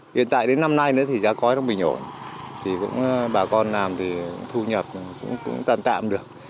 hiện tại đến năm nay nữa thì ra cõi nó bị nhổn thì bà con làm thì thu nhập cũng tạm tạm được